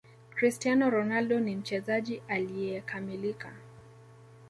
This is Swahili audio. cristiano ronaldo ni mchezaji alieyekamilika